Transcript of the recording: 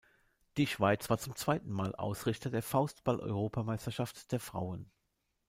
Die Schweiz war zum zweiten Mal Ausrichter der Faustball-Europameisterschaft der Frauen.